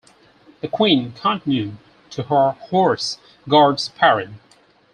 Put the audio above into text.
The Queen continued to Horse Guards Parade.